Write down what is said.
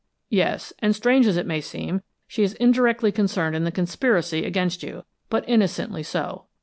"Yes. And, strange as it may seem, she is indirectly concerned in the conspiracy against you, but innocently so.